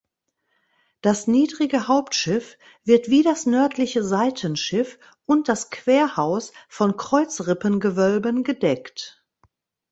Das niedrige Hauptschiff wird wie das nördliche Seitenschiff und das Querhaus von Kreuzrippengewölben gedeckt.